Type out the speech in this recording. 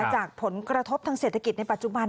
จากผลกระทบทางเศรษฐกิจในปัจจุบัน